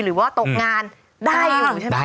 หรือว่าตกงานได้อยู่ใช่ไหม